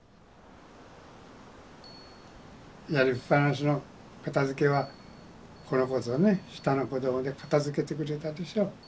やりっぱなしの片づけはこの子とね下の子で片づけてくれたでしょう。